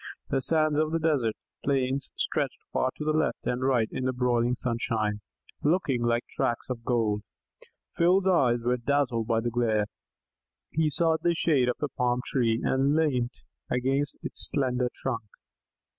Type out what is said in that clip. The sands of the desert plains stretched far to left and right in the broiling sunshine, looking like tracts of gold. Phil's eyes were dazzled by the glare; he sought the shade of a palm tree and leant against its slender trunk.